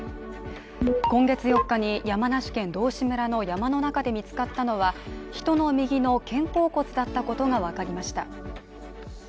今月４日に山梨県道志村の山の中で見つかったのは人の右の肩甲骨だったことが分かりました。